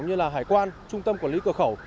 như là hải quan trung tâm quản lý cửa khẩu